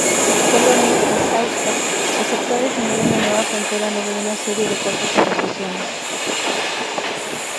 Polonia, exhausta, aceptó definir una nueva frontera luego de una serie de cortas negociaciones.